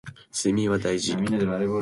睡眠は大事